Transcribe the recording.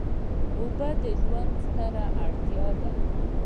اوبه د ژوند ستره اړتیا ده.